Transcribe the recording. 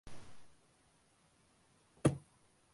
நந்தகோனின் மகள் அழகில் மிக்கவள்.